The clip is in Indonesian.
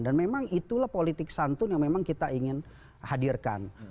dan memang itulah politik santun yang memang kita ingin hadirkan